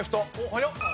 早っ。